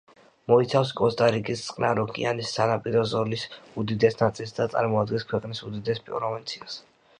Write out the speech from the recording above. მოიცავს კოსტა-რიკის წყნარი ოკეანის სანაპირო ზოლის უდიდეს ნაწილს და წარმოადგენს ქვეყნის უდიდეს პროვინციას.